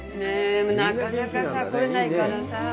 なかなかさ、来れないからさ。